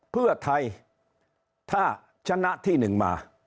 เพื่อไทยถ้าชนะที่หนึ่งมา